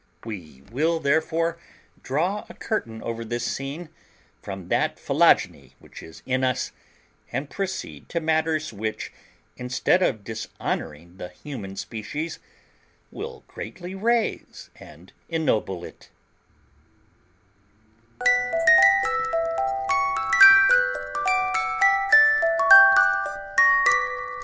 We will, therefore, draw a curtain over this scene, from that philogyny which is in us, and proceed to matters which, instead of dishonouring the human species, will greatly raise and ennoble it.